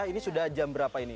ini sudah jam berapa ini